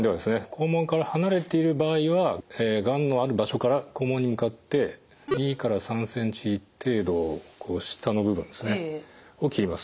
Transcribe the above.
肛門から離れている場合はがんのある場所から肛門に向かって２から３ｃｍ程度下の部分を切ります。